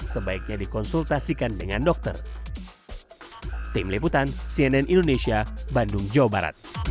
sebaiknya dikonsultasikan dengan dokter